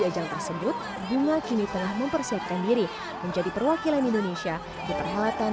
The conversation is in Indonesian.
ajang tersebut bunga kini tengah mempersiapkan diri menjadi perwakilan indonesia di perhelatan